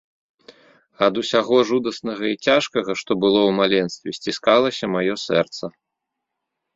Ад усяго жудаснага і цяжкага, што было ў маленстве, сціскалася маё сэрца.